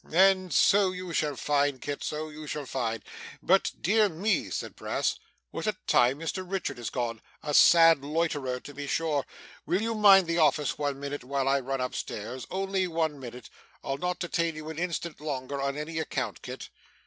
and so you shall find Kit, so you shall find. But dear me,' said Brass, 'what a time Mr Richard is gone! A sad loiterer to be sure! Will you mind the office one minute, while I run up stairs? Only one minute. I'll not detain you an instant longer, on any account, Kit.